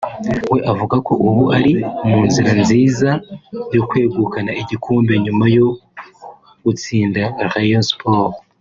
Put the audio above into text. we avuga ko ubu ari mu nzira nziza yo kwegukana igikombe nyuma yo gutsinda Rayon Sports